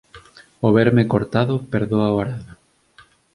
O verme cortado perdoa o arado.